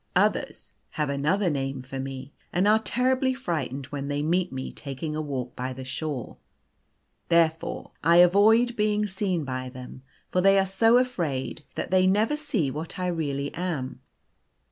Others have another name for me, and are terribly frightened when they meet me taking a walk by the shore. Therefore I avoid being seen by them, for they are so afraid, that they never see what I really am.